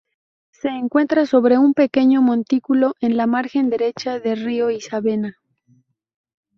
Se encuentra sobre un pequeño montículo en la margen derecha del río Isábena.